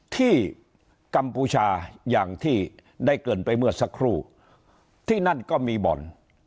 กัมพูชาอย่างที่ได้เกริ่นไปเมื่อสักครู่ที่นั่นก็มีบ่อน